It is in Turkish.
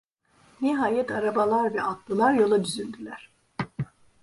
Nihayet arabalar ve atlılar yola düzüldüler.